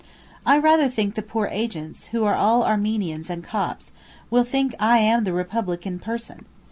I rather think the poor agents, who are all Armenians and Copts, will think I am the republic in person.